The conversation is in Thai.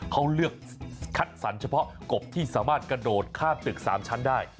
เขาเลือกคัดสรรเฉพาะกบที่สามารถกระโดดข้ามตึก๓ชั้นได้